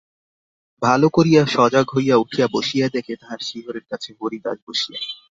ভালো করিয়া সজাগ হইয়া উঠিয়া বসিয়া দেখে তাহার শিয়রের কাছে হরিদাস বসিয়া।